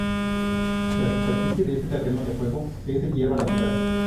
La superficie de este terreno de juego es de hierba natural.